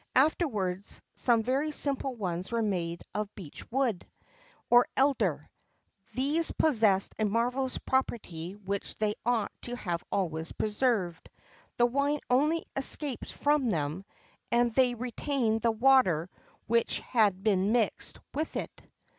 Afterwards, some very simple ones were made of beech wood[XXVII 21] or elder;[XXVII 22] these possessed a marvellous property which they ought to have always preserved the wine only escaped from them, and they retained the water which had been mixed with it.